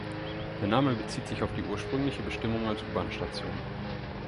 Der Name bezieht sich auf die ursprüngliche Bestimmung als U-Bahn-Station.